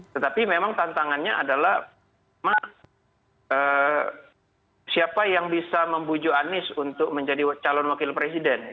tetapi memang tantangannya adalah siapa yang bisa membuju anies untuk menjadi calon wakil presiden